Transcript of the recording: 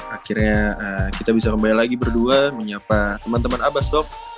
akhirnya kita bisa kembali lagi berdua menyapa teman teman abbas dok